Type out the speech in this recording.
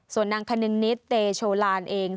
ส่วนนางคนึงนิดเตโชลานเอง